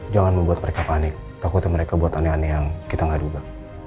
jangan membuat mereka panik takut mereka buat aneh aneh yang kita gak duga